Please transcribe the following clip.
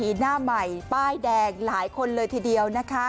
มีหน้าใหม่ป้ายแดงหลายคนเลยทีเดียวนะคะ